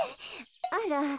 あら。